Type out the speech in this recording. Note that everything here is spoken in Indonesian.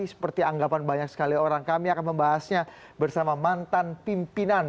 seperti anggapan banyak sekali orang kami akan membahasnya bersama mantan pimpinan